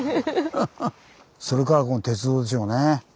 それからこの鉄道でしょうね。